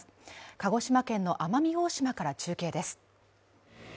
鹿児島県の奄美大島から中継です。